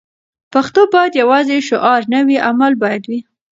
پښتو باید یوازې شعار نه وي؛ عمل باید وي.